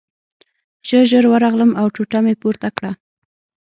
زه ژر ورغلم او ټوټه مې پورته کړه